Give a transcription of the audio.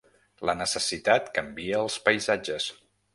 La necessitat canvia els paisatges.